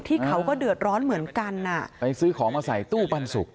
เขาก็เดือดร้อนเหมือนกันอ่ะไปซื้อของมาใส่ตู้ปันสุก